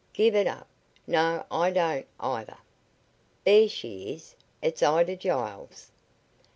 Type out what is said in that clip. "Give it up. No, I don't, either. There she is. It's Ida Giles."